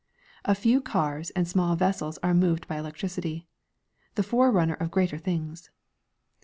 A few cars and small vessels are moved by electricity — the forerunner of greater things.